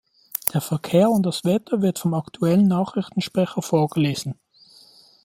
Der Verkehr und das Wetter wird vom aktuellen Nachrichtensprecher vorgelesen.